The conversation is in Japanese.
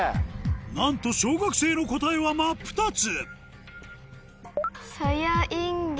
何と小学生の答えは真っ二つ！